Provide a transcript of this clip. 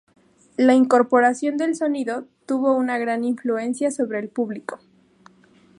La incorporación del sonido tuvo una gran influencia sobre el público.